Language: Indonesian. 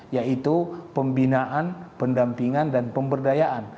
yaitu pembinaan pendampingan dan pemberdayaan